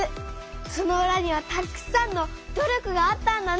そのうらにはたくさんの努力があったんだね！